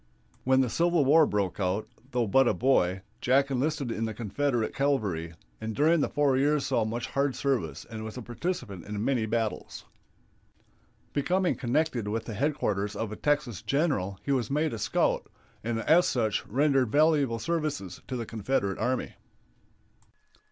When the Civil War broke out, though but a boy, Jack enlisted in the Confederate cavalry, and during the four years saw much hard service and was a participant in many battles. Becoming connected with the headquarters of a Texas general he was made a scout, and as such rendered valuable services to the Confederate army.